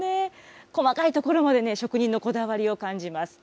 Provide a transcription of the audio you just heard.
細かいところまでね、職人のこだわりを感じます。